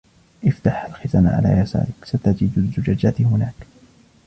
افتح الخزانة على يسارك، ستجد الزجاجات هناك